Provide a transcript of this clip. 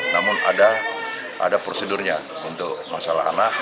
namun ada prosedurnya untuk masalah anak